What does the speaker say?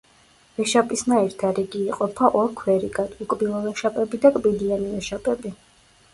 ვეშაპისნაირთა რიგი იყოფა ორ ქვერიგად: უკბილო ვეშაპები და კბილიანი ვეშაპები.